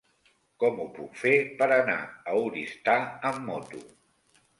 Com ho puc fer per anar a Oristà amb moto?